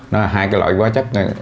nó là hai cái loại vỏ chất